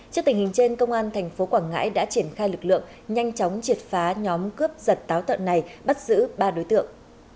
trước tình hình trên công an tp quảng ngãi đã triển khai lực lượng nhanh chóng triệt phá nhóm cướp giật táo tợn này bắt giữ ba đối tượng